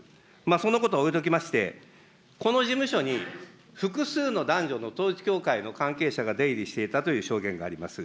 そのことは置いときまして、この事務所に複数の男女の統一教会の関係者が出入りしていたという証言があります。